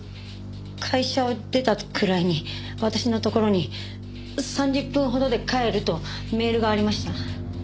会社を出たくらいに私のところに「３０分ほどで帰る」とメールがありました。